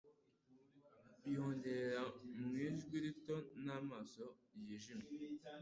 yongorera mu ijwi rito n'amaso yijimye